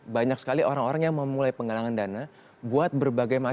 banyak sekali orang orang yang memulai penggalangan dana buat berbagai macam